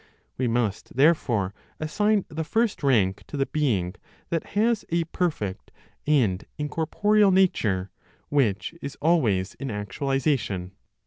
We must, therefore, assign the first rank to the being that has a perfect and incorporeal nature, which is always in actualization.